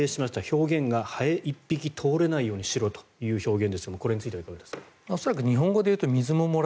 表現がハエ１匹通れないようにしろという表現ですがこれについてはいかがですか？